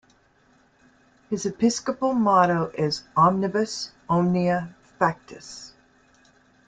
His episcopal motto is "Omnibus omnia factus".